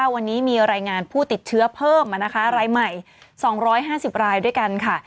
วันนี้มีรายงานผู้ติดเชื้อเพิ่มรายใหม่๒๕๐รายด้วยกันค่ะ